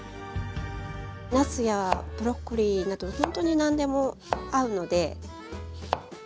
なすやブロッコリーなどほんとに何でも合うのでお好きなもので。